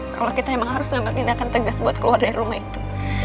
kalo kita emang harus ngambil tindakan tegas buat keluar dari rumah itu